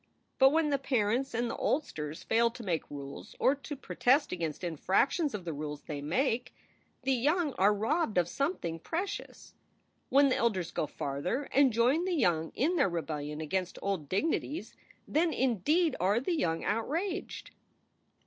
But when the parents and the oldsters fail to make rules or to protest against infractions of the rules they make, the young are robbed of something precious. When the elders go farther and join the young in their rebellion against old dignities, then indeed are the young outraged.